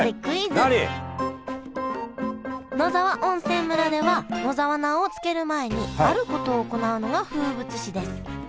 野沢温泉村では野沢菜を漬ける前にあることを行うのが風物詩です。